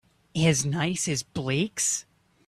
As nice as Blake's?